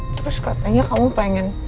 terus katanya kamu pengen